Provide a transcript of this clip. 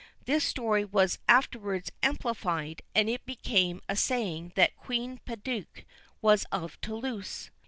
This story was afterwards amplified, and it became a saying that Queen Pédauque was of Toulouse.